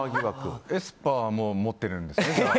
エスパーも持ってるんですね。